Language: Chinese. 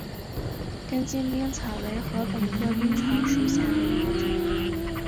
根茎冰草为禾本科冰草属下的一个种。